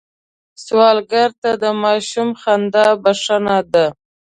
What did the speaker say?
سوالګر ته د ماشوم خندا بښنه ده